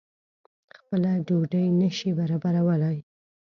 خپل ډوډۍ نه شي برابرولای.